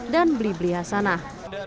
dan blibli hasanah